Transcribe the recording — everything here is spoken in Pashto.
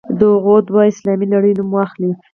د هغو دوو اسلامي لړیو نوم واخلئ.